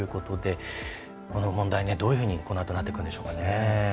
この問題はどういうふうにこのあとなってくるんでしょうね。